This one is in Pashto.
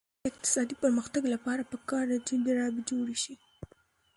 د افغانستان د اقتصادي پرمختګ لپاره پکار ده چې جرابې جوړې شي.